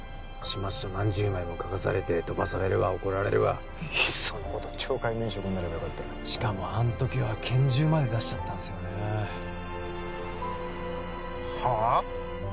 始末書何十枚も書かされて飛ばされるわ怒られるわいっそのこと懲戒免職になればよかったのにしかもあん時は拳銃まで出しちゃったんですよねえはあ？